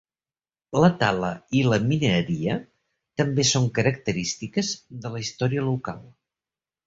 La tala i la mineria també són característiques de la història local.